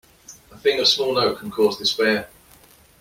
A thing of small note can cause despair.